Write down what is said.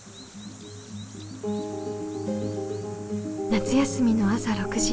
夏休みの朝６時。